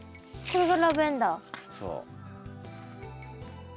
そう。